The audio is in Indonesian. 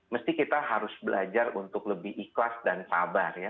mesti kita harus belajar untuk lebih ikhlas dan sabar ya